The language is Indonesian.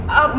pa buka pa